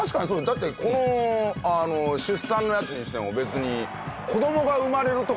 だってこの出産のやつにしても別に。